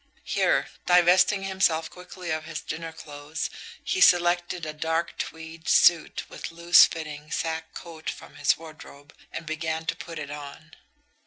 Here, divesting himself quickly of his dinner clothes, he selected a dark tweed suit with loose fitting, sack coat from his wardrobe, and began to put it on.